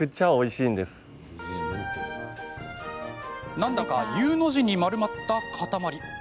なんだか、Ｕの字に丸まった塊。